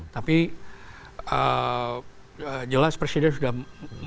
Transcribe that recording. tapi jelas presiden sudah mendapatkan ya